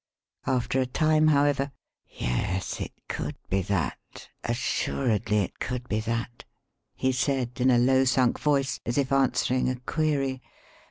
After a time, however: "Yes, it could be that assuredly it could be that," he said in a low sunk voice, as if answering a query.